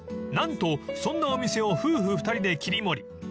［何とそんなお店を夫婦２人で切り盛り］